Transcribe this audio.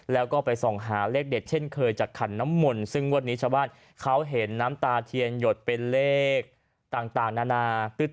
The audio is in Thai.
แล้วก็ไปส่องหาเลขเด็ดเช่นเคยจากขันน้ำมนต์ซึ่งงวดนี้ชาวบ้านเขาเห็นน้ำตาเทียนหยดเป็นเลขต่างนานา